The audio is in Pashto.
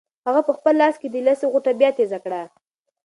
هغه په خپل لاس کې د لسي غوټه بیا تېزه کړه.